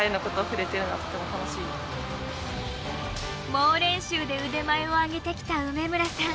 猛練習で腕前を上げてきた梅村さん。